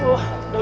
yang tadi kaget